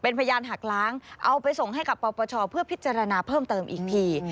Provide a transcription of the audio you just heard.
เป็นพยานหักล้างเอาไปส่งให้กับปปชเพื่อพิจารณาเพิ่มเติมอีกที